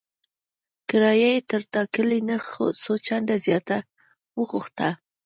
کرایه یې تر ټاکلي نرخ څو چنده زیاته وغوښته.